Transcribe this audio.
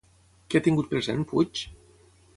Què ha tingut present Puig?